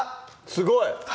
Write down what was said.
すごい！